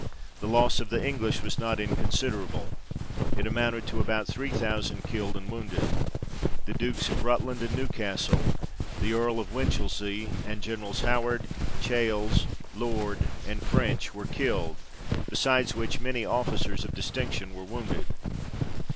The loss of the English was not incon siderable ; it amounted to about three thousand killed and wounded. The Dukes of Rutland and Newcastle, the Earl of Winchelsea, and Generals Howard, Chales, Lord, and French, were killed, besides which many officers of distinction were wounded.